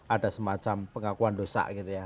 ada semacam pengakuan dosa gitu ya